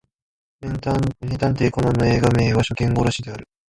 名探偵コナンの映画名は初見殺しである